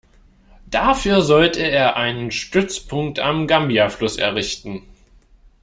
Dafür sollte er einen Stützpunkt am Gambia-Fluss errichten.